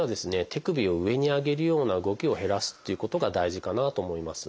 手首を上に上げるような動きを減らすっていうことが大事かなと思います。